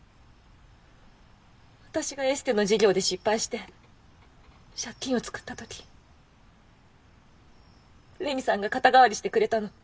私がエステの事業で失敗して借金を作った時麗美さんが肩代わりしてくれたの。